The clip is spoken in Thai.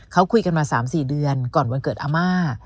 เขาคุยกันมา๓๔เดือนก่อนวันเกิดอาม่า